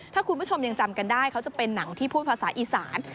ถ้าคุณผู้ชมยังจำกันได้เขาจะเป็นหนังที่พูดภาษาอีสาน